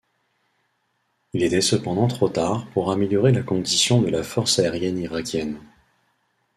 Il était cependant trop tard pour améliorer la condition de la force aérienne irakienne.